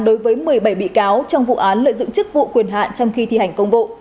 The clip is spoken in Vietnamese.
đối với một mươi bảy bị cáo trong vụ án lợi dụng chức vụ quyền hạn trong khi thi hành công vụ